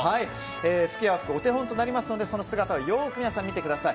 吹矢を吹くお手本となりますのでその姿を皆さんよくご覧ください。